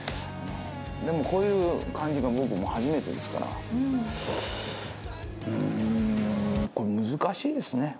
でもこういう感じが僕初めてですからうんこれ難しいですね。